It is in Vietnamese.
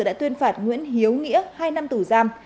đã tuyên phạt nguyễn hiếu nghĩa hai năm tù giam